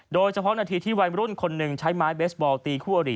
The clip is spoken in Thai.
โดยเฉพาะนาทีที่วัยรุ่นคนหนึ่งใช้ไม้เบสบอลตีคู่อริ